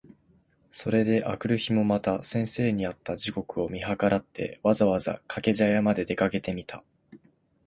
それで翌日（あくるひ）もまた先生に会った時刻を見計らって、わざわざ掛茶屋（かけぢゃや）まで出かけてみた。